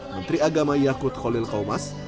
menteri agama yakut khalil kaumas